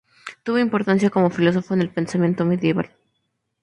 Tuvo importancia como filósofo en el pensamiento medieval.